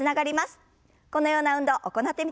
このような運動行ってみてください。